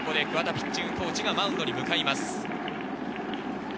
ピッチングコーチがマウンドに向かいます。